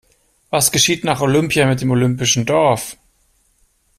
Was geschieht nach Olympia mit dem olympischen Dorf?